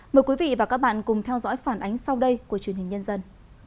mời quý vị và các bạn cùng theo dõi phản ánh sau đây của truyền hình nhân dân